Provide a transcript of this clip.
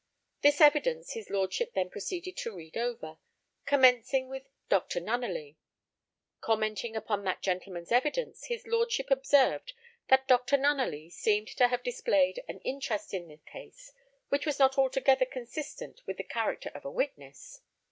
This evidence his lordship then proceeded to read over, commencing with Dr. Nunneley. Commenting upon that gentleman's evidence, his lordship observed that Dr. Nunneley seemed to have displayed an interest in the case which was not altogether consistent with the character of a witness.